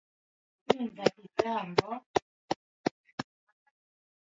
tayari kunaielekeza ile nchi katika